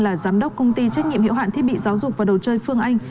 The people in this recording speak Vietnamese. là giám đốc công ty trách nhiệm hiệu hạn thiết bị giáo dục và đồ chơi phương anh